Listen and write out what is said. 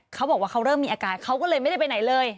เขาบอกว่าเขาเริ่มมีอาการเขาก็เลยไม่ได้ไปไหนเลย